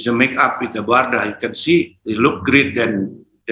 kosmetik wardah yang luar biasa